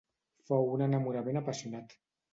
Fou un enamorament apassionat.